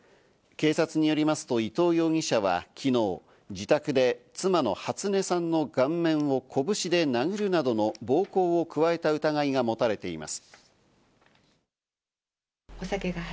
警察によりますと伊藤容疑者は昨日、自宅で妻の初音さんの顔面を拳で殴るなどの暴行を加えた疑いが持たれています。